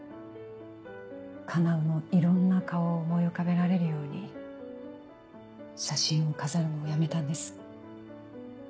叶のいろんな顔を思い浮かべられるように写真を飾るのをやめたんです。